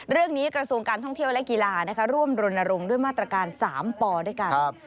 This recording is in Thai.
กระทรวงการท่องเที่ยวและกีฬาร่วมรณรงค์ด้วยมาตรการ๓ปอด้วยกัน